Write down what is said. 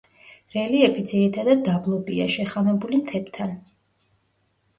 რელიეფი ძირითადად დაბლობია, შეხამებული მთებთან.